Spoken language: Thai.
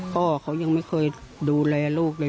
พ่อเขายังไม่เคยดูแลลูกเลย